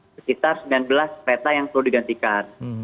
sekitar sembilan belas kereta yang perlu digantikan